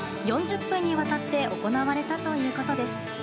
４０分にわたって行われたということです。